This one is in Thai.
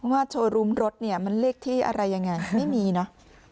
โชว์รูมรถเนี่ยมันเลขที่อะไรยังไงไม่มีเนอะ